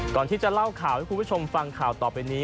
ก่อนที่จะเล่าข่าวให้คุณผู้ชมฟังข่าวต่อไปนี้